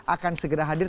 akan segera hadir